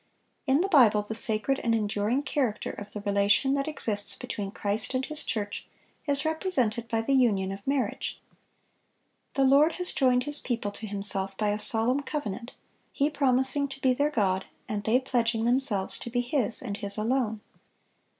In the Bible the sacred and enduring character of the relation that exists between Christ and His church is represented by the union of marriage. The Lord has joined His people to Himself by a solemn covenant, He promising to be their God, and they pledging themselves to be His, and His alone.